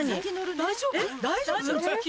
大丈夫？